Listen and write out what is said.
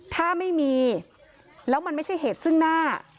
ถ้าไม่มีแล้วมันไม่ใช่เหตุซึ่งหน้า